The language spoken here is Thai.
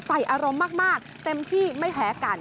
ใส่อารมณ์มากเต็มที่ไม่แพ้กัน